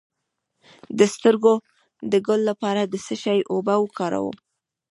د سترګو د ګل لپاره د څه شي اوبه وکاروم؟